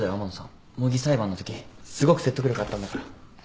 模擬裁判のときすごく説得力あったんだから。